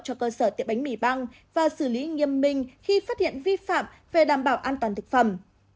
cho cơ sở tiệm bánh mì băng và xử lý nghiêm minh khi phát hiện vi phạm về đảm bảo an toàn thực phẩm